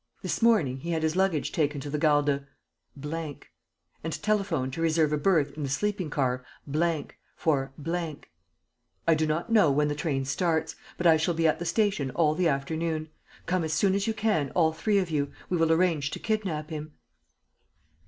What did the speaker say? This morning he had his luggage taken to the Gare de and telephoned to reserve a berth in the sleeping car for "I do not know when the train starts. But I shall be at the station all the afternoon. Come as soon as you can, all three of you. We will arrange to kidnap him."